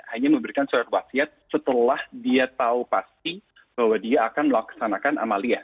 hanya memberikan surat wasiat setelah dia tahu pasti bahwa dia akan melaksanakan amalia